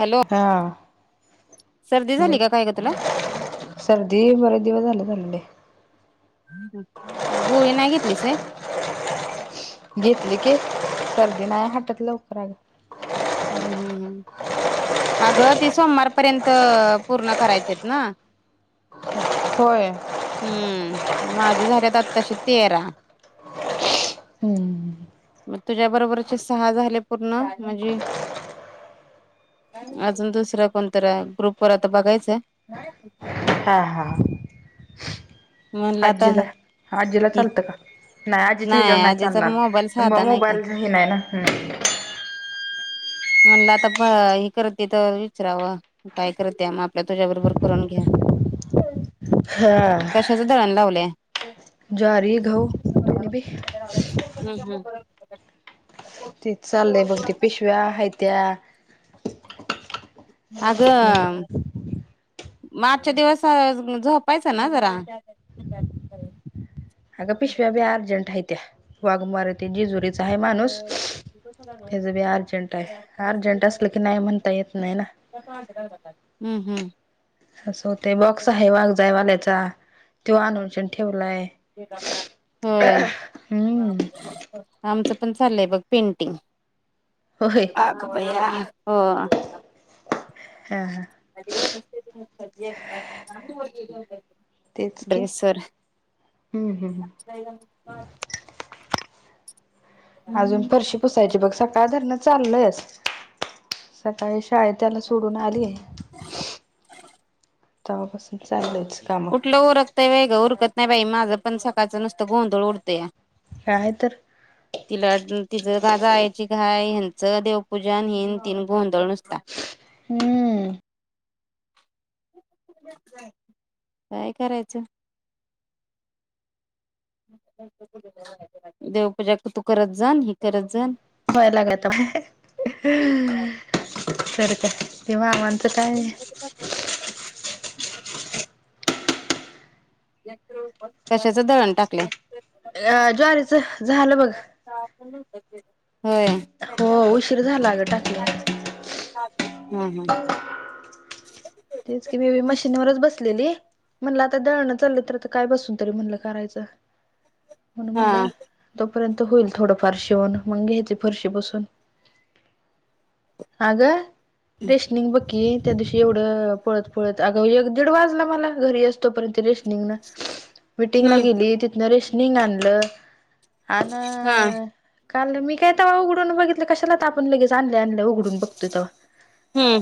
Hello, हा. सर्दी झाली बोला. का काय ग तुला सर्दी बरे दिवस झाले झालेली. गोळी नाही घेतलीस व्हय? घेतली की. सर्दी नाही हटत लवकर अगं. हं हं हं. अगं ते सोमवारपर्यंत पूर्ण करायचेत ना. होय? हं. माझे झालेत आत्ताशी तेरा. हं हं हं. म तुझ्या बरोबरचे सहा झाले पूर्ण. म्हणजे अजून दुसरं कोणतर आहे. ग्रुप वर आता बघायचंय. हा हा. म्हणलं आता आज्जीला आज्जीला चालतं का? नाही आजीच्या हिच्यावर नाही आधीचा चालणार. मोबाईल पण साधा म नाही का मोबाईल हे नाही ना. हं. म्हणलं आता प हे करते तर विचरावं. काय करते म? आपल्या तुझ्या बरोबर करून घेव. हा कशाच दळण लावलय? ज्वारी गहू दोन्ही बी. हं हं. तेच चाललंय बघ. ते पिशव्या आहेत त्या आगं अं म आजच्या दिवस झोपायचं ना जरा [inaudible] अग पिशव्या बी अर्जंट आहे त्या वाघमारे ते जेजुरीचा आहे माणूस हेजबी अर्जंट आहे अर्जंट असलं की नाही म्हणता येत नाही ना [unintelligible] हम्म हम्म असं होतय बॉक्स आहे वाघ जायवाल्याचा त्यो आणून श्यान ठेवलाय होय हम्म आमचं पण चाललंय बघ पेंटिंग होय अग बया हो हा हा [unintelligible] तेच की ड्रेसर हम्म हम्म अजून फरशी पुसायची बघ सकाळ धरणं चाललंयस सकाळी शाळेत त्याला सोडून आलीय तवापासून चालंयच काम आपल उरकतय होय गं उरकत नाही बाई माझं पण सकाळचं नुसतं गोंधळ उडतया काय आहे तर [inaudible] तिला तिज गाजा यायची काय ह्यांचं देवपूजन हिन तीन गोंधळ नुसता हम्म काय करायचं देवपूजा तू करत जान ही करत जान व्हाय लागता तर काय ती मामांच काय कशाच दळण टाकलय अ ज्वारीच झालं बघ होय हो उशीर झाला अगं टाकले हा हा [inaudible] तेच की मी बी मशीनवरच बसलेली म्हणलं आता दळणं चाललं तर आता काय बसून तरी म्हणलं करायचं [inaudible] म्हणू म्हटलं तोपर्यंत होईल थोडं फार शीवूण मग घ्यायचे फरशी पुसून आग रेशनिंग बक्की त्या दिवशी एवढं पळत पळत अग एक दीड वाजला मला घरी येईस तो पर्यंत रेशनिंगन मिटिंगला हम्म गेली तिथन रेशनिंग आणलं आण हा काल मी कायता बा उघडून बघितलं कशाला तापण लगेच त आणल्या आणल्या उघडून बघतोय तवा हम्म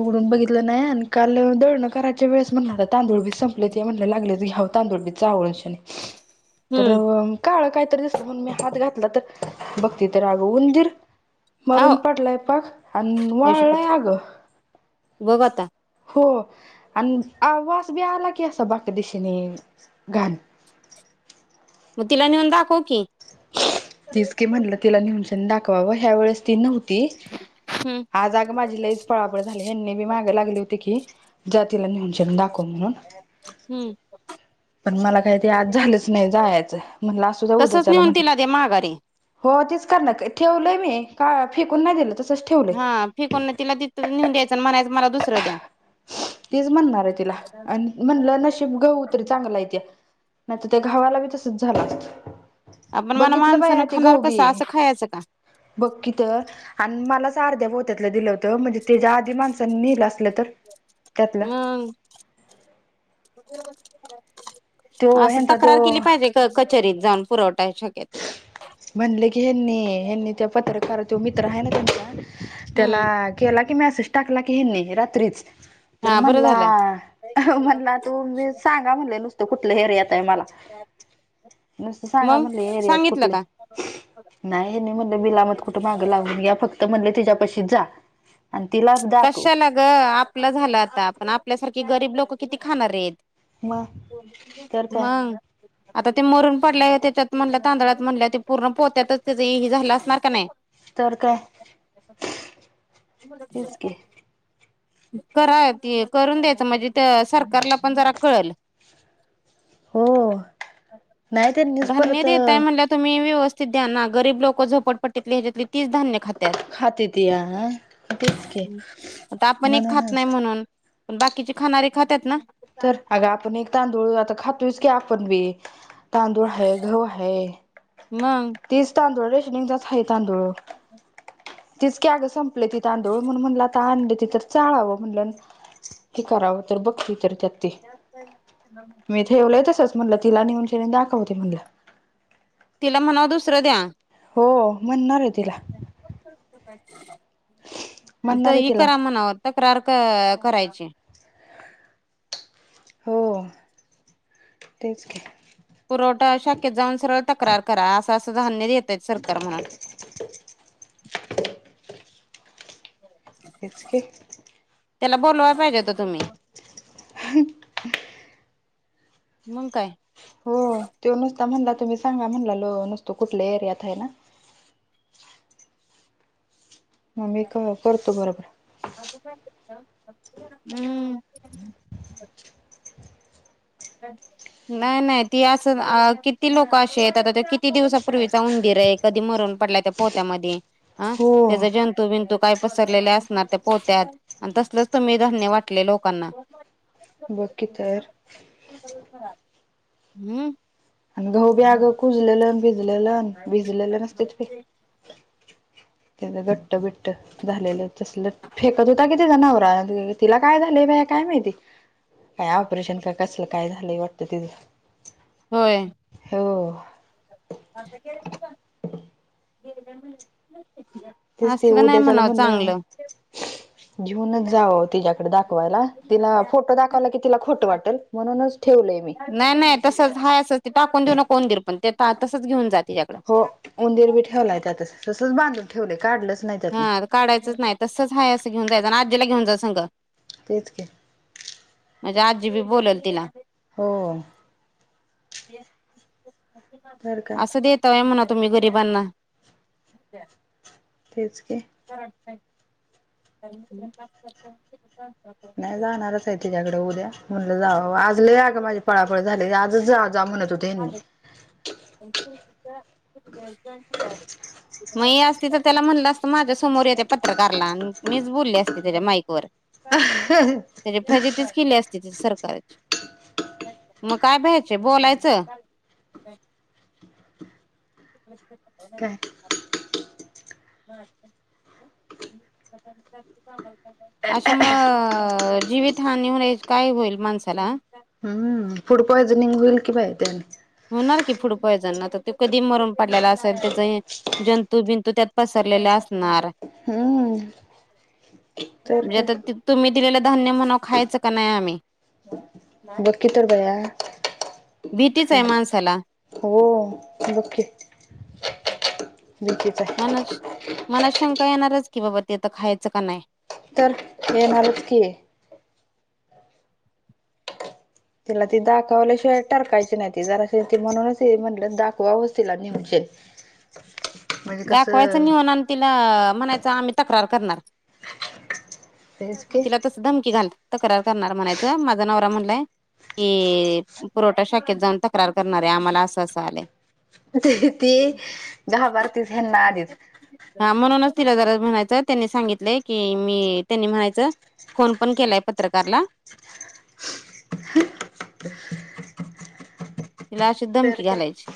उघडून बघितलं नाही आणि काल दळणं कराच्या वेळेस म्हणला आता तांदूळबी संपलेली त म्हणयला लागलेच घ्याव तांदूळबी चाळूनशानी तर हम्म काळ कायतरी दिसलं म्हण मी हात घातला तर बघ त तर राग उंदीर आहो मरून पडलाय पाक आणि आई वळलाय शप्पथ अग बघ अता हो आणि वास बी आला की असा बाक दिशेने घाण मग तिला नेऊन दाखव की तीच की म्हणलं तिला नेहनच्यानी दाखवावं ह्या वेळेस ती नव्हती हम्म आज अग माझी लईच पळापळ झाली हेनी बी मागं लागली होती की जातीला नेऊनशन दाखव म्हणून हम्म पण मला काहीतरी आज झालंच नाही जायचं म्हणलं असू द्या तसच ऊद्याच्याला नेऊन म्हलं तिला दे माघारी हो तेच करण ठेवलंय मी का फेकून नाही दिलं तसच ठेवलंय त नऊ द्यायच म्हणाय मला दुसंर द्या. तीच म्हणणार आहे तिला आणि म्हणलं नशीब गहू तरी चांगला आहे त्या नाहीत त्या गावाला बी तसच झालं असत आपण मला बघितलं माणसानं खाणार कसं असं खायचं का. बघकी तर आणि मलाच अर्ध्या पोत्यातलं दिलं होतं म्हणजे त्याच्या आधी माणसांनी नलं असलं तर त्यातलं हम् तो असं ह्यांचा तक्रार केली तो पाहिजे कचेरीत जाऊन पुरवठा शा केत. म्हणले की हेनी हेनी त्या पत्रकार तो मित्र आहे ना त्यांचा हम्म त्याला केला की मेसेज टाकला की हेनी रात्रीच तर हा बरं म्हणला झालं म्हणला तू मी सांगा म्हणले नुसत कुठलं ऐरियात आहे मला. नुसत सांगा मग म्ह एरित सांगितलं कुठले का नाही म बिलामत कुठे माग लावून घ्या फक्त म्हणले तिच्या पशी जा आणि तिला दाखव. कशाला ग आपलं झालं आता आपण आपल्यासारखी गरीब लोक किती खाणार आहेत. मग तर काय मग. आता ते मरून पडले त्याच्यात म्हणलं तांदळात म्हणल्या ते पूर्ण पोत्यातच त्याच ह झालं असणार का नाही. तर काय. तेच की [unintelligible] करा करून द्यायचं म्हणजे सरकारला पण जरा कळेल. हो नाही त्यांनीच धन्य परत देताय म्हणल्या तुम्ही व्यवस्थित दयाना गरीब लोक झोपटीत ह्याच्यात ती धान्य खात खाती त या खतीच क आता आपण एक खात नाही म्हणून बाकीचे खाणारे खातात ना. तर अग आपण एक तांदूळ आता खातोस की आपण बी तांदूळ हाय गहू हाय मग तीच तांदूळ रेशणीगचाच आहे तांदूळ तीच की आग संपले ती तांदूळ म्हणून म्हणला आता आणले ति तर चाळावं म्हणलं ते करावं तर बघते तर त्यात मी इथे ठेवलय तसच म्हणलं तिला नेउन शिन दाखवते म्हणलं तिला म्हणाव दुसरं द्या. हो म्हणणार आहे तिला. आणिता म्हणणार आहे इ तिला करा म्हणाव. तक्रार क करायची. हो तेच कि. पुरवठा शाखेत जाऊन सरळ तक्रार करा असं असं धान्य देतय सरकार म्हणून हेच की. त्याला बोलवाय पाहिजे होता तुम्ही ह. मंग काय. हो ते नुसता म्हणला तुम्ही सांगा म्हणला लो नुसतो कुठल्या एरियात आहे ना. मग मी करतो बरोबर. हम्म. हम. नाही नाही ती असं किती लोकं अशे आहेत आता ते किती दिवसापूर्वीचा उंदीर आहे कधी मरून पडल्या त्या पोत्यामध्ये अ हो त्याचा जंतू बंतू काय. पसरलेले असणार ते पोहत्यात आणि तसलच तुम्ही धान्य वाटले लोकांना. बकी तर. बरोबर. हम्म. आणि गहू बी आग कुजलेलं भिजलेलं भिजलेलं नसतती. त्या घट्ट बिट्ट झालेलं तस फेकत होता कि त्याचा नवरा ति लाग काय झालंय बाया काय माहिती काय ऑपरेशन का कसलं काय झालंय. तर ते होय. हो अस गे गे [inaudible] तेच ते उद्याच्याला म्हणलं. जेऊनच जाव तिच्याकडे दाखवायला तिला फोटो दाखवा. कि त्याला खोटं वाटेल म्हणूनच ठेवलंय. मी नाही नाही तसच हा असं ते टाकून देऊ न कोण देल पण ते तसच घेऊन जा तिच्याकडे उंदेर बी ठेवलाय त्यातच तसंच बांधून ठेवलेय काढलंच नाही त्यातन काढायच नाही तसंच आहेय असं घेन जायं आणि आजीला घेऊन जां संगं तेच की म्हणजे आजी बी बोलेल तिला हो. तर काय असं देतय म्हणा तुम्ही गरीबांना तेच की. टय [inaudible] आवाज नाही. ह नाही जाणारच. तिच्याकडे उद्या म्हणलं जा आजलं या ग माझी पळाफळ झाली आजच जा जा म्हणत होते. आवाज नाही. काहीतरी पडल्याचा आवाज [inaudible] मग असती तर त्याला म्हणलं असतं माझ्या समोर येते पत्रकारला मीच बोलली असते त्याच्या माईक व त्याची फजेतीच केली असते त्या सरकारची मग काय भ्यायचे बोलायचं. आवाज येत नाही [inaudible] काय अच्छा म म जीवितहानी हो काय होईल माणसाला हम्म फूड पॉइझनिंग होईल कि बा त्यां होणार की फूड पॉइझन तर त कधी मरून पडलेला असेल त्याच हे जंतू बिंतू त्यात पसरलेले असणार. ह म्हणजे आता तुम्ही दिलेलं धान्य म्हणा खायचं का नाही आम्ही कि तर बया भीतीच काय आहे माणसाला हो लके बखेत आहे [inaudible] मना मनात शंका येणारच की बाबा ते आथ खायचं का नाही. तर येणार चा की. तिला ती दाखवल्या शिवाय टरकायची नाही त जरा शेती म्हणूनच ते म्हणलं दाखवा हस्ला नवचे. दाखवायचं नेऊन आणि तिला म्हणायचं आम्ही तक्रार करणार. तेच तिला तस धमकी घाल तक्रार करणार म्हणायचं माझा नवरा म्हणलाय. कि पुरवठा शाखेत जाऊन तक्रार करणार आहे आम्हाला असं असं आलंय. ती घाबरतेच हेना आधीच हा म्हणूनच तिला जरा म्हणायचं त्यांनी सांगितलंय की मी त्यांनी म्हणायचं. फोन पण केलाय पत्रकारला. तिला अशी तर दमकी काय घालायची.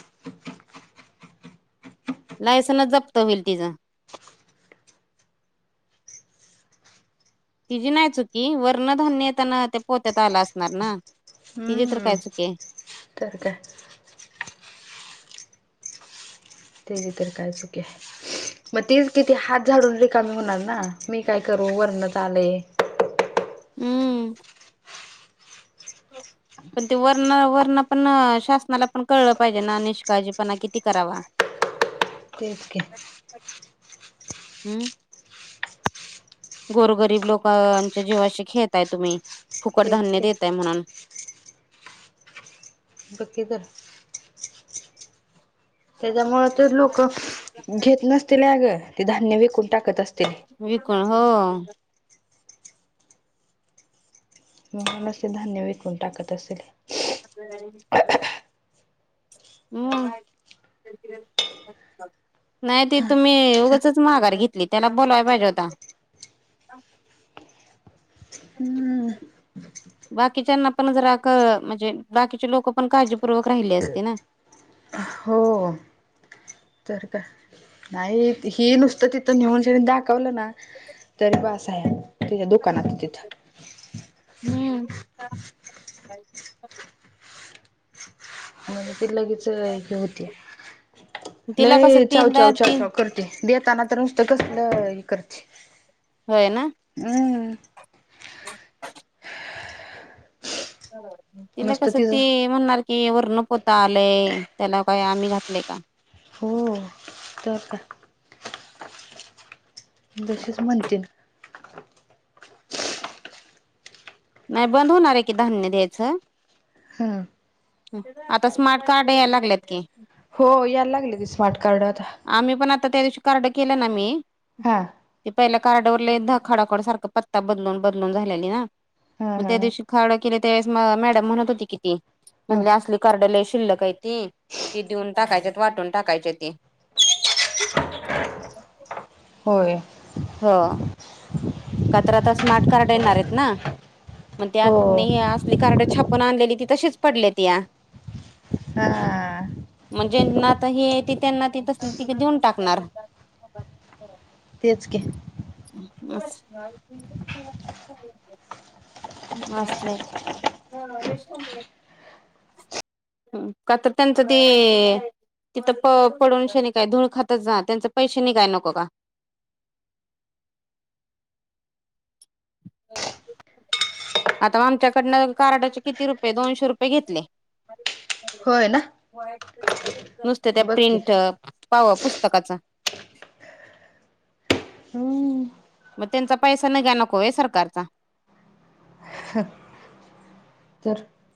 लायसन्स जप्त होईल तिच तिझी नाही चुकी वर्णधान्य येताना ते पोत्यात आलं असणार ना.. तिजे तर हम्म काय चुक आहे तर का ते जे तर कायचंक मग तीच किती हात झाडून रिकामी होणार ना मी काय करू वरणत आले हम्म पण ते वर्ण वरण पण शासनाला पण कळलं पाहिजे ना निष्काळजीपणा किती करावा [inaudible] तेचक हम्म गोरगरीब लोकांच्या जीवाशी खेळताय तुम्ही फुकट तेच धान्य की दताय म्हणून बाकी तर त्याच्यामु ते लोक घेत नसतील अग ते धान्य विकून टाकत असतील विकण हो मून अस धान्य विकून टाकत असेल हम् नाही त तुम्ही उगचच माघार घेतली त्याला बोलावायला पाहिजे होता हं बाकीच्यांना पण जरा म्हणजे बाकीचे लोक पण काळजीपूर्वक राहिले असते ना हो तर का नाही हि नुसतं तिथं नेऊन घे दाखवलं ना तररी बस आहे तिच्या दुकानात तिथं हम्म म्हणजे त लगेच हे होती ल तिला कसं चाव तिला चाव चाव ती चाव करत देताना तर नुसतं कसलं हे करते होय ना हम् त ना नुसतं कसं तिचं ते म्हणणार कि वर्णपोता आलंय त्याला काय आम्ही घातलय का हो तर का तशीच म्हणतन नाही बंद होणार आहे की धान्य द्यायचं हम्म आता स्मार्ट कार्ड याय लागलेत की हो यायला लागली ती स्मार्ट कार्ड आता आम्ही पण आता त्या दिवशी कर्ड केलं ना मी हा ते पहिल्या कार्डावरला ध खडाखड सारखं पत्ता बदलून बदलून झालेली ना हा मग हा त्या दिवशी खावड केलं त्यावेळेस मॅडम म्हणत होती किती हा म्हणज असली कर्डल शिल्लक आहे त ती देऊन टाकायचे वाटून टाकायची ती [unintelligible] होय हा कात्रता स्मार्ट कार्ड येणार आहेत ना मग त्यात हो अस आपली कार्ड छापून आणलेली ती तशीच पडली ती या हा म्हणजेना आता हे ते त्यांना त तस त देऊन टाकणार तेच घ [unintelligible] असलंय कता त्यांचं ते तिथं प पडून शेनी काय धूळ खातच जा त्यांच पैशनी काय नको का हो ते आता आमच्याकडून कार्डाचे किती रुपये दोनशे रुपये घेतले होय ना नुसत त्या बघ की प्रिंट पाव पुस्तकाच. हम्म मग त्यांचा पैसा नाही गा नको आहे सरकारचा ह तर